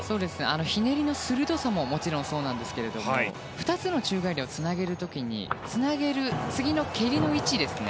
ひねりの鋭さもそうですが２つの宙返りをつなげる時につなげる次の蹴りの位置ですね。